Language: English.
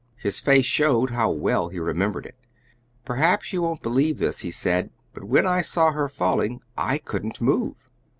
His face showed how well he remembered it. "Perhaps you won't believe this," he said, "but when I saw her falling I couldn't move.